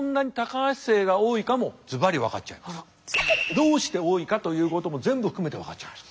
どうして多いかということも全部含めて分かっちゃいます。